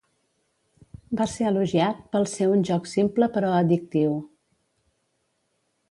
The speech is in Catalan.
Va ser elogiat pel ser un joc simple però addictiu.